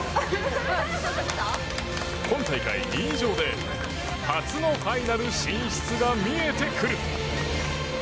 今大会２位以上で初のファイナル進出が見えてくる。